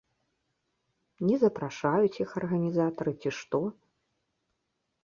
Не запрашаюць іх арганізатары, ці што?